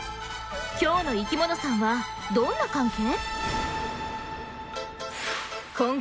今日の生きものさんはどんな関係？